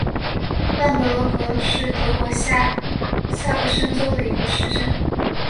万格罗格是德国下萨克森州的一个市镇。